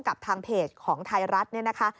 กับทางเพจของไทยรัฐเนี่ยนะคะ